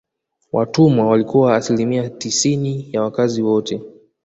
Watumwa walikuwa asilimia tisini ya wakazi wote